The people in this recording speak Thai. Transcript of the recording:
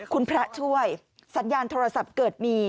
คุณพระช่วยสัญญาณโทรศัพท์เกิดมี